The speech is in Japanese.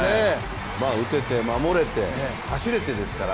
打てて、守れて、走れてですから。